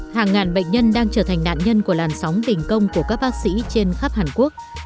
hàng ngàn bệnh nhân đang trở thành nạn nhân của làn sóng đình công của các bác sĩ trên khắp hàn quốc